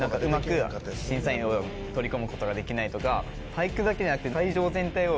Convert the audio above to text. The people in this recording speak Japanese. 俳句だけじゃなくて。